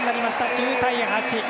９対８。